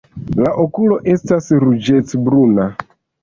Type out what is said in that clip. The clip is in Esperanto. La okulo estas ruĝecbruna.